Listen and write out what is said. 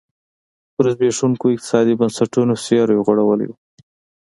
پر زبېښونکو اقتصادي بنسټونو سیوری غوړولی و.